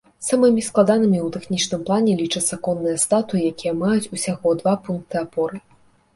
Самымі складанымі ў тэхнічным плане лічацца конныя статуі, якія маюць усяго два пункты апоры.